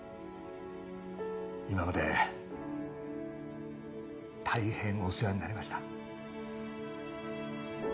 今まで大変お世話になりました。